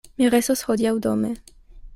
Mi restos hodiaŭ dome.